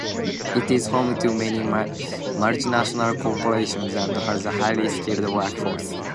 It is home to many multinational corporations and has a highly skilled workforce.